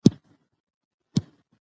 که خلک برېښنا واخلي اقتصاد به ښه شي.